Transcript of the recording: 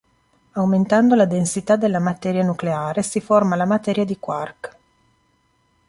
Aumentando la densità della materia nucleare si forma la materia di quark.